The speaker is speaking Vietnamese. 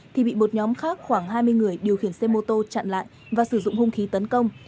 thì bị một nhóm khác khoảng hai mươi người điều khiển xe mô tô chặn lại và sử dụng hung khí tấn công